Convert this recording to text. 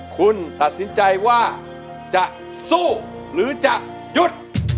คุณตัดสินใจว่าจะสู้หรือจะหยุด